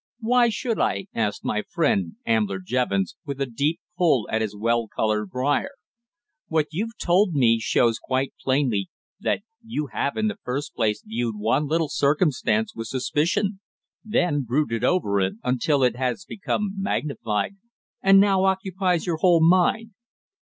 "Why should I?" asked my friend, Ambler Jevons, with a deep pull at his well coloured briar. "What you've told me shows quite plainly that you have in the first place viewed one little circumstance with suspicion, then brooded over it until it has become magnified and now occupies your whole mind.